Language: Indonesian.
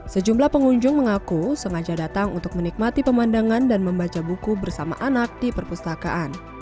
sejumlah pengunjung mengaku sengaja datang untuk menikmati pemandangan dan membaca buku bersama anak di perpustakaan